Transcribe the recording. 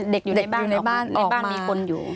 เด็กอยู่ในบ้านในบ้านมีคนอยู่